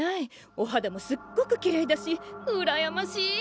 おはだもすっごくきれいだしうらやましい！